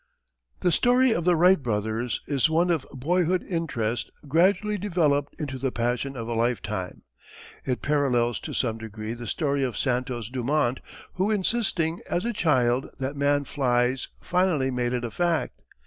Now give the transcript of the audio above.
The story of the Wright brothers is one of boyhood interest gradually developed into the passion of a lifetime. It parallels to some degree the story of Santos Dumont who insisting as a child that "man flies" finally made it a fact.